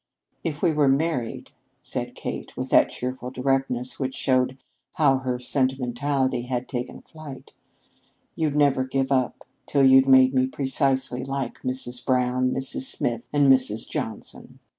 "If we were married," said Kate, with that cheerful directness which showed how her sentimentality had taken flight, "you'd never give up till you'd made me precisely like Mrs. Brown, Mrs. Smith, and Mrs. Johnson.